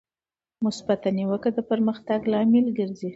مثبته نیوکه د پرمختګ لامل ګرځي.